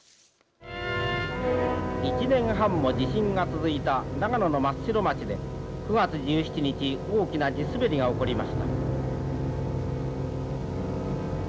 「１年半も地震が続いた長野の松代町で９月１７日大きな地滑りが起こりました」。